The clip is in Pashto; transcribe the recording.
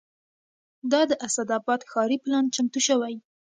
د اسداباد ښاري پلان چمتو شوی